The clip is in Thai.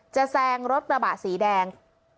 แซงรถกระบะสีแดง